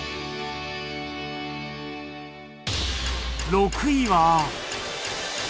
６位は